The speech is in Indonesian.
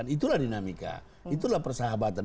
itulah dinamika itulah persahabatan